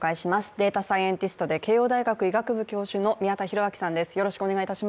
データサイエンティストで慶応大学医学部教授の宮田裕章さんです。